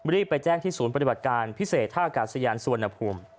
รีบไปแจ้งที่ศูนย์ปฏิบัติการพิเศษท่ากาศยานสุวรรณภูมิ